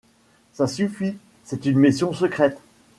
Ça suffit, c'est une mission secrète !